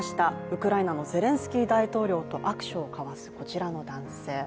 ウクライナのゼレンスキー大統領と握手を交わす、こちらの男性。